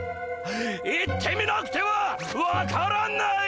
行ってみなくては分からない！